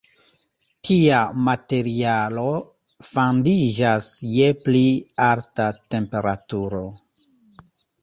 Tia materialo fandiĝas je pli alta temperaturo.